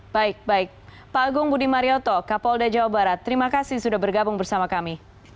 baik baik pak agung budi marioto kapolda jawa barat terima kasih sudah bergabung bersama kami